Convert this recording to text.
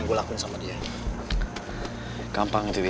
ga punya air sepanjang kapal